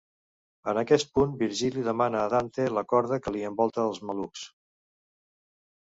En aquest punt Virgili demana a Dante la corda que li envolta els malucs.